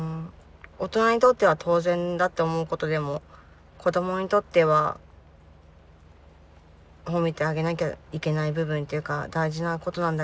大人にとっては当然だって思うことでも子どもにとっては褒めてあげなきゃいけない部分っていうか大事なことなんで。